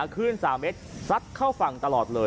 ขึ้น๓เมตรซัดเข้าฝั่งตลอดเลย